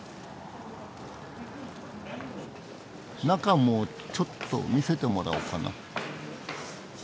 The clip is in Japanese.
中もちょっと見せてもらおうかな。